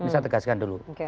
saya tegaskan dulu